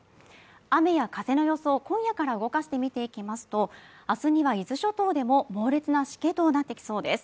雨や風の予想を今夜から動かして見ていきますとあすには伊豆諸島でも猛烈なしけとなってきそうです